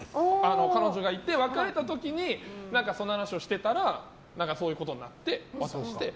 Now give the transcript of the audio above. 彼女がいて別れた時にそんな話をしてたらそういうことになって渡して。